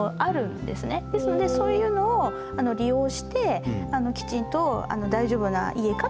ですのでそういうのを利用してきちんと大丈夫な家かっていうのを。